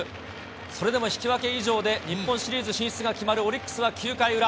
それでも引き分け以上で、日本シリーズ進出が決まるオリックスは９回裏。